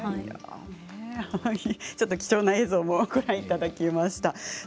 ちょっと貴重な映像もご覧いただきました。